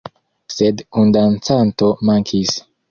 Sed kundancanto mankis.